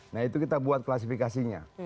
nah itu kita buat klasifikasinya